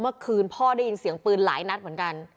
เมื่อคืนพ่อได้ยินเสียงปืนหลายนัดเหมือนกัน